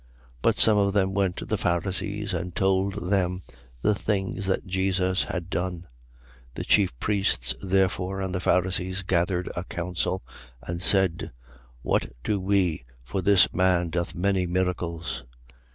11:46. But some of them went to the Pharisees and told them the things that Jesus had done. 11:47. The chief priests, therefore, and the Pharisees gathered a council and said: What do we, for this man doth many miracles?